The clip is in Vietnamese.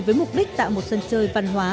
với mục đích tạo một sân chơi văn hóa